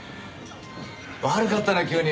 悪かったな急に。